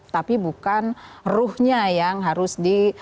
tapi bukan ruhnya yang harus di